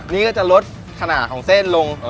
นี่ก็จะลดขนาดของเส้นลง